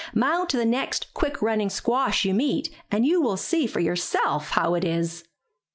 Mount the next quick running squash you meet, and you will see for yourself how it is.